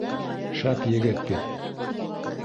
Шәп егет бит